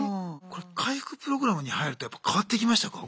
これ回復プログラムに入るとやっぱ変わってきましたか？